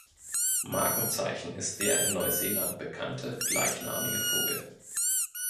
Markenzeichen ist der in Neuseeland bekannte gleichnamige Vogel.